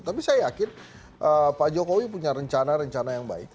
tapi saya yakin pak jokowi punya rencana rencana yang baik